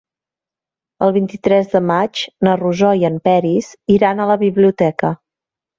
El vint-i-tres de maig na Rosó i en Peris iran a la biblioteca.